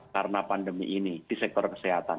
karena pandemi ini di sektor kesehatan